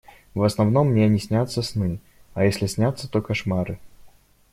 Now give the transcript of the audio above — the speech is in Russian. В основном мне не снятся сны, а если снятся, то кошмары.